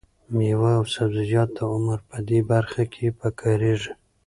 مېوه او سبزیجات د عمر په دې برخه کې پکارېږي.